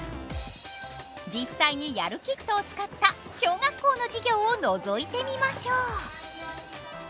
実際にやるキットを使った小学校の授業をのぞいてみましょう。